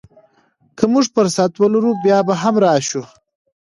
که موږ فرصت ولرو، بیا به هم راشو.